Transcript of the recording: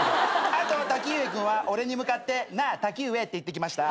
あとたきうえ君は俺に向かって「なあたきうえ」って言ってきました。